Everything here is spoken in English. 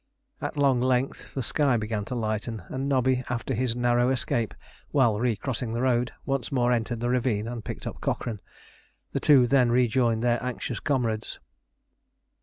At long length the sky began to lighten, and Nobby, after his narrow escape while re crossing the road, once more entered the ravine and picked up Cochrane. The two then rejoined their anxious comrades.